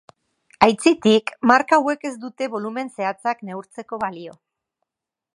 Aitzitik, marka hauek ez dute bolumen zehatzak neurtzeko balio.